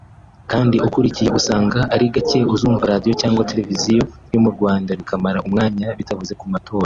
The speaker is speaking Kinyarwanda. Kandi ukurikiye usanga ari gake uzumva radiyo cyangwa ugakurikirana televiziyo yo mu Rwanda bikamara umwanya bitavuze ku matora